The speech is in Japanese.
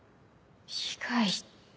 被害って。